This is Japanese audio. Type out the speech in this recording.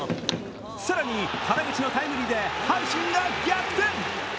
更に原口のタイムリーで阪神が逆転。